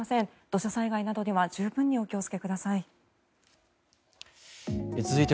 土砂災害などには十分にお気をつけください。